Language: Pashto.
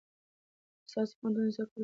ایا دا ستا د پوهنتون د زده کړو لومړنی کال دی؟